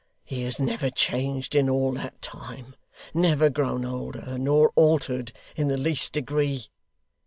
He has never changed in all that time, never grown older, nor altered in the least degree.